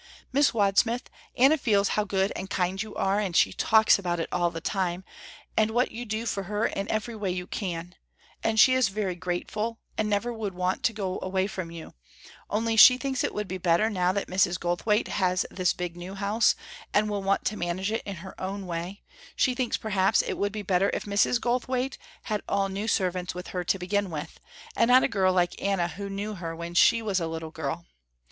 "Miss Wadsmith, Anna feels how good and kind you are, and she talks about it all the time, and what you do for her in every way you can, and she is very grateful and never would want to go away from you, only she thinks it would be better now that Mrs. Goldthwaite has this big new house and will want to manage it in her own way, she thinks perhaps it would be better if Mrs. Goldthwaite had all new servants with her to begin with, and not a girl like Anna who knew her when she was a little girl.